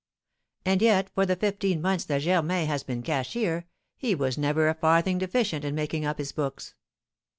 "And yet, for the fifteen months that Germain has been cashier, he was never a farthing deficient in making up his books."